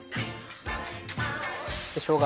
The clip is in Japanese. でしょうが。